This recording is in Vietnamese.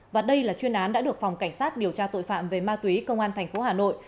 và đây là chuyên án đã được phòng cảnh sát điều tra tội phạm về ma túy công an thành phố hà nội